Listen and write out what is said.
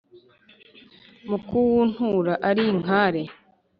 Mu kuwuntura ari inkare